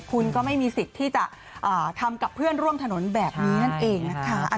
คุณก็ไม่มีสิทธิ์ที่จะทำกับเพื่อนร่วมถนนแบบนี้นั่นเองนะคะ